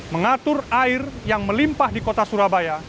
mengatur air yang melimpah di kota surabaya